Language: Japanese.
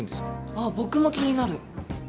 あっ僕も気になる。